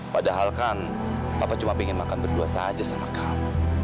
padahal kan papa cuma ingin makan berdua saja sama kamu